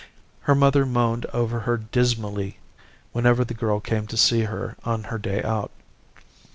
Her mother moaned over her dismally whenever the girl came to see her on her day out.